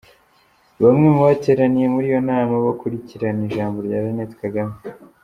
Bamwe mu bari bateraniye muri iyo nama, bakurikirana ijambo rya Jeannette Kagame